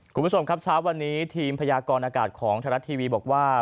คุณผู้ชมครับเช้าวันนี้ทีมพยากรอากาศของไทยรัฐทีวีบอกว่า